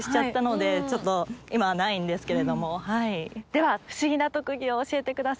ではフシギな特技を教えてください。